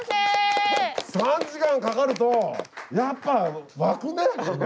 ３時間かかるとやっぱ湧くね！